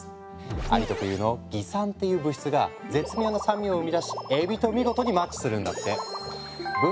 アリ特有の「蟻酸」っていう物質が絶妙な酸味を生み出しエビと見事にマッチするんだって。